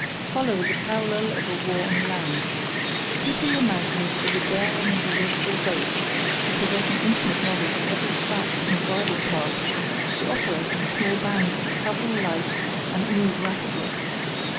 Follow the parallel of a war on land. People your mountains with a daring and resourceful race, who possess an intimate knowledge of every track and bridle path, who operate in small bands, travel light, and move rapidly.